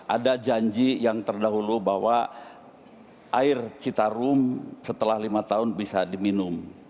ada janji yang terdahulu bahwa air citarum setelah lima tahun bisa diminum